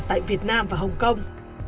tại việt nam và hồng kông